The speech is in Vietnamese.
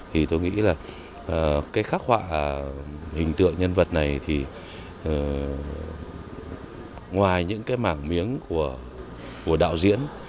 thì tôi nghĩ là cái khắc họa hình tượng nhân vật này thì ngoài những cái mảng miếng của đạo diễn